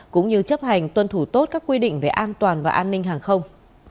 cũng như chấp hành tuân thủ tốt các quy định về an toàn và an ninh hàng không